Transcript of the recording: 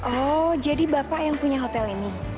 oh jadi bapak yang punya hotel ini